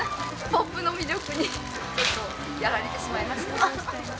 ポップの魅力にちょっとやられてしまいました。